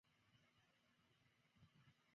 喊着什么不要杀我